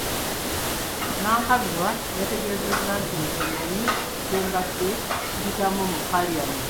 Nankabirwa yategeezezza nti, “Nze mmanyi kye mbadde mpitamu mu Paalamenti."